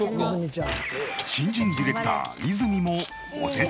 新人ディレクター泉もお手伝い。